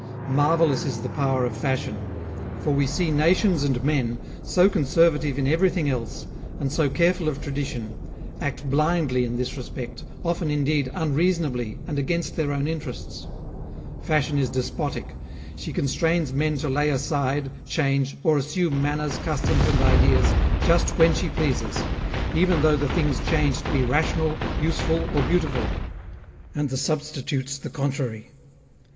" Marvellous is the power of fashion ! For we see nations and men, so conservative in everything else, and so careful of tradition, act blindly in this respect, often indeed unreasonably, and against their own interests. Fashion is despotic. She constrains men to lay aside, change, or assume manners, customs, and ideas, just when she pleases ; even though the things changed be rational, useful, or beautiful, and the substitutes the contrary.